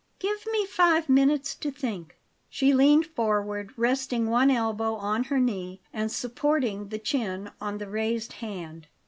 "Give me five minutes to think." She leaned forward, resting one elbow on her knee, and supporting the chin on the raised hand.